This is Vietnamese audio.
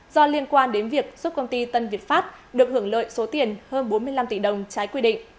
do liên quan đến việc giúp công ty tân việt pháp được hưởng lợi số tiền hơn bốn mươi năm tỷ đồng trái quy định